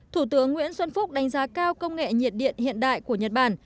thủ tướng nguyễn xuân phúc đánh giá cao công nghệ nhiệt điện hiện đại của nhật bản